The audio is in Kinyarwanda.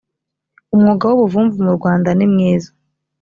umwuga wubuvumvu mu rwanda nimwiza.